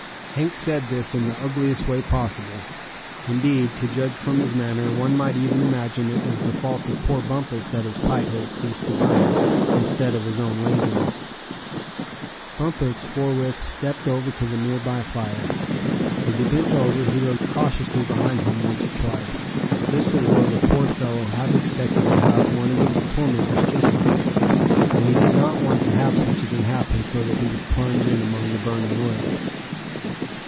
Hank said this in the ugliest way possible. Indeed, to judge from his manner, one might even imagine it was the fault of poor Bumpus that his pipe had ceased to burn, instead of his own laziness. Bumpus forthwith stepped over to the near by fire. As he bent over, he looked cautiously behind him once or twice, just as though the poor fellow half expected to have one of his tormentors kick him, and he did not want to have such a thing happen so that he would plunge in among the burning wood.